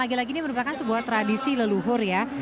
ini merupakan sebuah tradisi leluhur ya